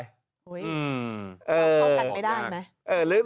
อุ๊ยเราเข้ากันไม่ได้มั้ย